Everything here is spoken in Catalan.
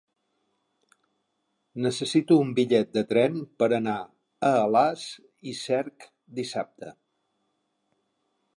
Necessito un bitllet de tren per anar a Alàs i Cerc dissabte.